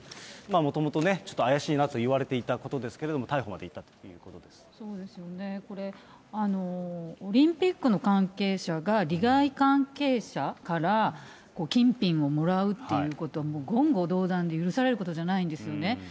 もともと、ちょっと怪しいなといわれていたことですけれども、逮捕までいっそうですよね、これ、オリンピックの関係者が、利害関係者から金品をもらうっていうことは、言語道断で許されることじゃないんですよね。